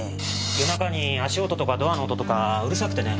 夜中に足音とかドアの音とかうるさくてね。